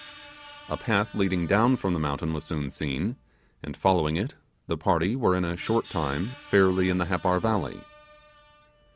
A path leading down from the mountain was soon seen, and, following it, the party were in a short time fairly in the Happar valley.